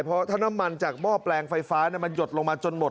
เพราะถ้าน้ำมันจากหม้อแปลงไฟฟ้ามันหยดลงมาจนหมด